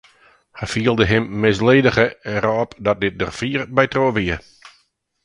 Hy fielde him misledige en rôp dat dit der fier by troch wie.